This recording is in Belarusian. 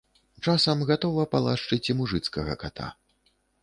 Часам гатова палашчыць і мужыцкага ката.